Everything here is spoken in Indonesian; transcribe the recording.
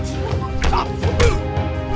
apa akan akan jadi